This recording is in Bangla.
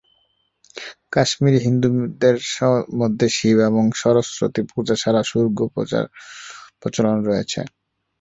কাশ্মীরি হিন্দু দের মধ্যে শিব এবং সরস্বতী পূজা ছাড়াও সূর্য পূজার প্রচলন রয়েছে।